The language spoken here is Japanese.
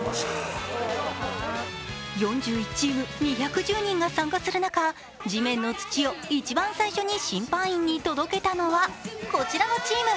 ４１チーム、２１０人が参加する中地面の土を一番最初に審判員に届けたのは、こちらのチーム。